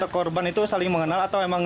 korban itu saling mengenal atau memang